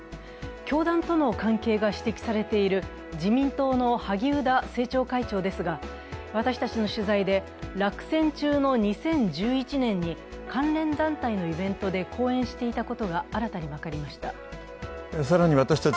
教団との関係が指摘されている自民党の萩生田政調会長ですが、私たちの取材で落選中の２０１１年に関連団体のイベントで講演していたことが新たに分かりました。